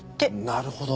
なるほど！